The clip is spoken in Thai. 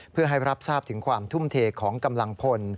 เพื่อให้รับทราบถึงความทุ่มเทของกำลังพล